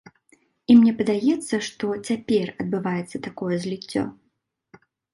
І мне падаецца, што цяпер адбываецца такое зліццё.